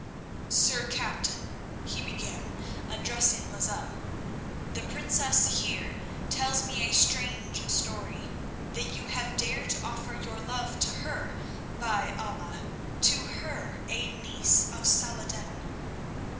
"Sir captain," he began, addressing Lozelle, "the Princess here tells me a strange story—that you have dared to offer your love to her, by Allah! to her, a niece of Salah ed din."